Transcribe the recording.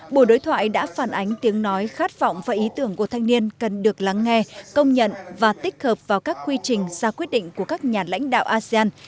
buổi đối thoại đã phản ánh tiếng nói khát vọng và ý tưởng của thanh niên cần được lắng nghe công nhận và tích hợp vào các quy trình ra quyết định của các nhà lãnh đạo asean